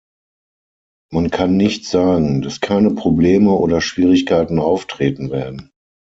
Man kann nicht sagen, dass keine Probleme oder Schwierigkeiten auftreten werden.